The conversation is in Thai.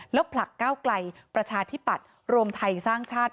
แล้วผลักก้าวไกลประชาธิปัตย์รวมไทยสร้างชาติ